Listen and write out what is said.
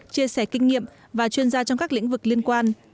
chia sẻ kinh nghiệm và chuyên gia trong các lĩnh vực liên quan